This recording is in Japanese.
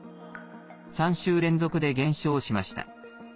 ３週連続で減少しました。